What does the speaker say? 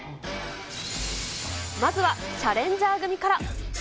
まずはチャレンジャー組から。